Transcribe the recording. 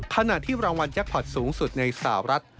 ขณะที่รางวัลยักษ์ผลัดสูงสุดในสหรัฐ